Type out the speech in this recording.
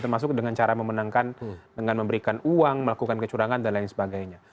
termasuk dengan cara memenangkan dengan memberikan uang melakukan kecurangan dan lain sebagainya